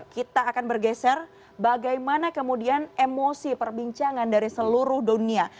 kita akan bergeser bagaimana kemudian emosi perbincangan dari seluruh dunia